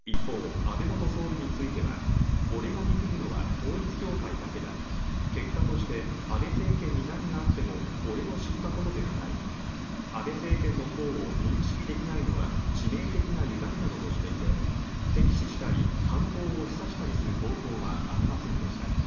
一方、安倍元総理については、オレが憎むのは統一教会だけだ、結果として安倍政権に何があっても俺の知ったことではない、安倍政権の功を認識できないのは致命的なゆがみなどとしていて敵視したり犯行を示唆したりする投稿はありませんでした。